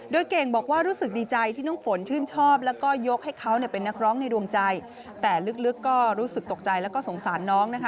โดยเก่งบอกว่ารู้สึกดีใจที่น้องฝนชื่นชอบแล้วก็ยกให้เขาเป็นนักร้องในดวงใจแต่ลึกก็รู้สึกตกใจแล้วก็สงสารน้องนะคะ